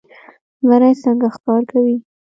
زمری څنګه ښکار کوي؟